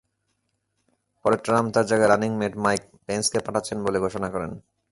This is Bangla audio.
পরে ট্রাম্প তাঁর জায়গায় রানিং-মেট মাইক পেন্সকে পাঠাচ্ছেন বলে ঘোষণা করেন।